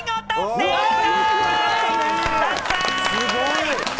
正解！